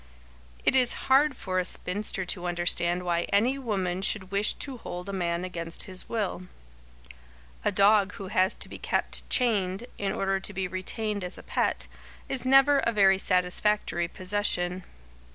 It is hard for a spinster to understand why any woman should wish to hold a man against his will. A dog who has to be kept chained, in order to be retained as a pet, is never a very satisfactory possession.